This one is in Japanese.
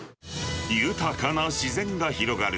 豊かな自然が広がる